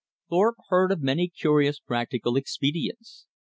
Thorpe heard of many curious practical expedients.